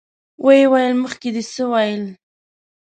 ويې ويل: مخکې دې څه ويل؟